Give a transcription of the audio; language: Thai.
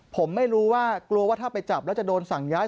ผมไม่รู้ว่ากลัวว่าถ้าไปจับแล้วจะโดนสั่งย้าย